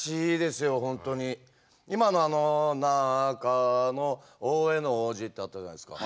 今のあの「中大兄皇子」ってあったじゃないですか。